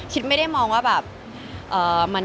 คริสไม่ได้มองว่าแบบ